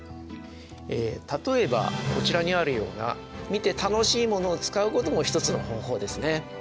例えばこちらにあるような見て楽しいものを使うことも一つの方法ですね。